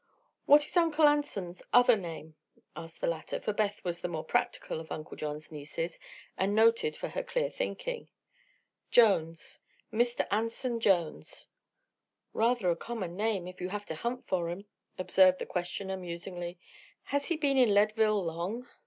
"What is Uncle Anson's other name?" asked the latter, for Beth was the more practical of Uncle John's nieces and noted for her clear thinking. "Jones. Mr. Anson Jones." "Rather a common name, if you have to hunt for him," observed the questioner, musingly. "Has he been in Leadville long?"